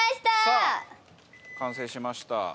さあ完成しました。